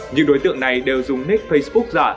những đối tượng này đều dùng nick facebook